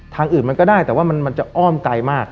ทางอื่นมันก็ได้แต่ว่ามันจะอ้อมไกลมาก